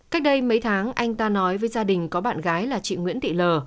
cách đây mấy tháng anh ta nói với gia đình có bạn gái là chị nguyễn thị lờ